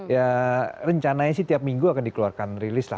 ya rencananya sih tiap minggu akan dikeluarkan rilis lah